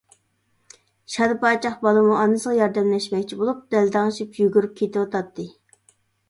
شادىپاچاق بالىمۇ ئانىسىغا ياردەملەشمەكچى بولۇپ، دەلدەڭشىپ يۈگۈرۈپ كېتىۋاتاتتى.